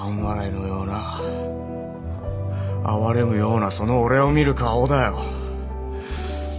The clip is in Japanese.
のような哀れむようなその俺を見る顔だよ。